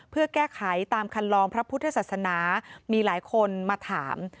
เพื่อแก้ไขตามคันลองพระพุทธศาสนามีหลายคนมาถาม